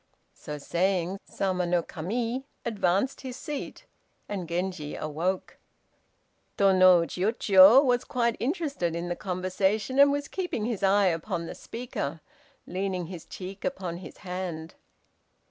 So saying, Sama no Kami advanced his seat, and Genji awoke. Tô no Chiûjiô was quite interested in the conversation, and was keeping his eye upon the speaker, leaning his cheek upon his hand.